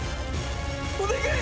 お願い！